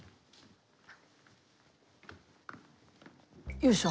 よいしょ。